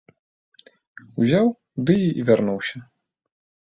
Узяў ды і вярнуўся.